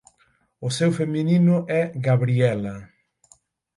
O seu feminino é Gabriela.